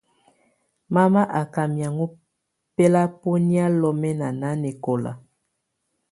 Mama à ká miaŋgɔ̀a bɛlabɔnɛ̀á lɔmɛna nanǝkɔla.